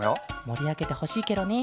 もりあげてほしいケロね。